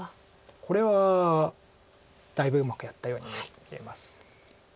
これはだいぶうまくやったように見えます。